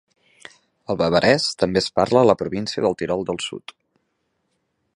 El bavarès també es parla a la província del Tirol del Sud.